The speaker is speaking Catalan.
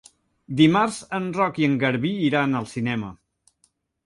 Dimarts en Roc i en Garbí iran al cinema.